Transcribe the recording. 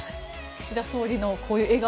岸田総理の笑顔